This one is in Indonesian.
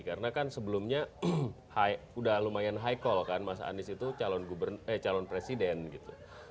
karena kan sebelumnya udah lumayan high call kan mas anies itu calon presiden gitu